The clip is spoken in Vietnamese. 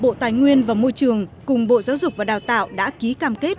bộ tài nguyên và môi trường cùng bộ giáo dục và đào tạo đã ký cam kết